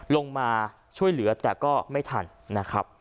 ลงมาช่วยเหลือแต่ก็ไม่ทันนะครับ